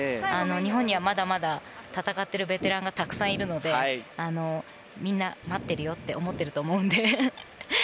日本にはまだまだ戦っているベテランがたくさんいるのでみんな待ってるよって思ってると思うので。